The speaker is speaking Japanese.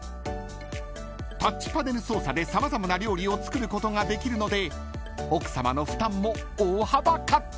［タッチパネル操作で様々な料理を作ることができるので奥さまの負担も大幅カット］